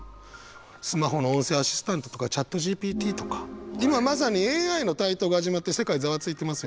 スマホの音声アシスタントとかＣｈａｔＧＰＴとか今まさにＡＩの台頭が始まって世界ざわついてますよね？